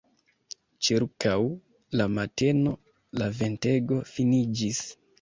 Ĉirkaŭ la mateno la ventego finiĝis.